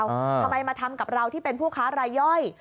ทำไมมาทำกับเราที่เป็นผู้ค้ารายย่อย